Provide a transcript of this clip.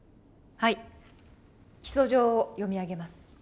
起訴状を読み上げます。